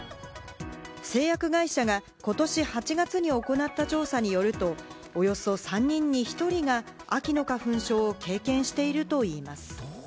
製薬会社がことし８月に行った調査によると、およそ３人に１人が秋の花粉症を経験しているといいます。